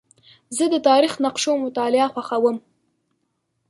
زه د تاریخي نقشو مطالعه خوښوم.